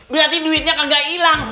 berarti duitnya kagak ilang